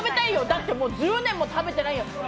だって１０年も食べてないよ！